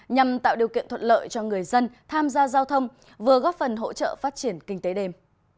nhằm tạo điều kiện thuận lợi cho người dân tham gia giao thông vừa góp phần hỗ trợ phát triển kinh tế đêm